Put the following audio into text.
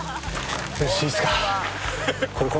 よしいいですか？